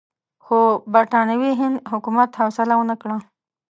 خو برټانوي هند حکومت حوصله ونه کړه.